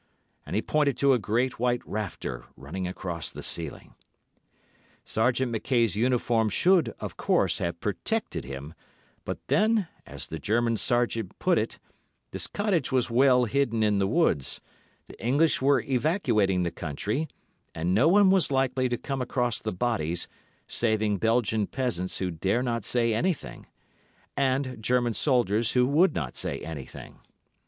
And he pointed to a great, white rafter running across the ceiling. Sergeant Mackay's uniform should, of course, have protected him, but, then, as the German sergeant put it, this cottage was well hidden in the woods, the English were evacuating the country, and no one was likely to come across the bodies, saving Belgian peasants who dare not say anything, and German soldiers who would not say anything.